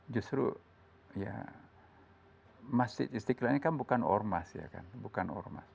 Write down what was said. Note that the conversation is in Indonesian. justru ya masjid istiqlal ini kan bukan ormas ya kan bukan ormas